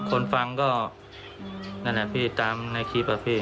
คนฟังก็นั่นแหละพี่ตามในคลิปอะพี่